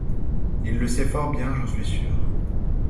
Il le sait fort bien, j’en suis sûr.